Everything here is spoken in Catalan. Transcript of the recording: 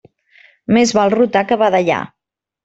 Més val rotar que badallar.